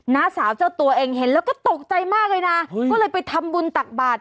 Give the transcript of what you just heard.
้าสาวเจ้าตัวเองเห็นแล้วก็ตกใจมากเลยนะก็เลยไปทำบุญตักบาท